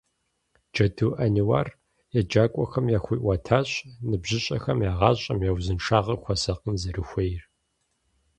Джэду Ӏэниуар еджакӏуэхэм яхуиӀуэтащ ныбжьыщӀэхэм я гъащӀэм, я узыншагъэм хуэсакъын зэрыхуейр.